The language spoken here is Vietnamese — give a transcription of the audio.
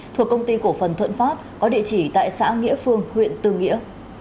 thuộc công ty cổ phần thuận pháp có địa chỉ tại xã nghĩa phương huyện tư nghĩa